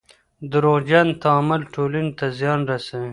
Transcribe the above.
دروغجن تعامل ټولني ته زیان رسوي.